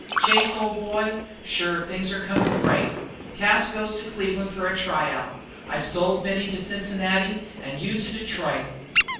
"Chase, old boy, shure things are comin' great. Cas goes to Cleveland fer a try out. I've sold Benny to Cincinnati an' you to Detroit.